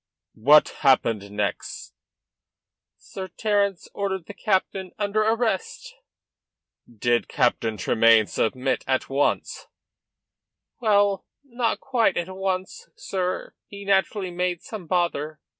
"What happened next?" "Sir Terence ordered the captain under arrest." "Did Captain Tremayne submit at once?" "Well, not quite at once, sir. He naturally made some bother.